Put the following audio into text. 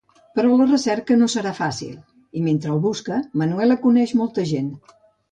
Però la recerca no serà fàcil i mentre el busca, Manuela coneix molta gent.